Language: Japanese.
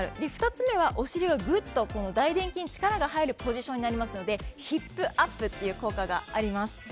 ２つ目はお尻は力が入るポジションになりますのでヒップアップっていう効果があります。